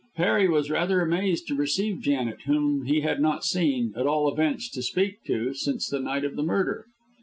Harry was rather amazed to receive Janet, whom he had not seen at all events, to speak to since the night of the murder.